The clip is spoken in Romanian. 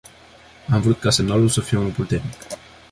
Am vrut ca semnalul să fie unul puternic.